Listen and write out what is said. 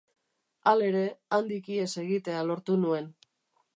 Halere, handik ihes egitea lortu nuen.